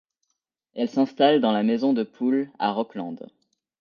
Elle s'installe dans la maison de Pool à Rockland.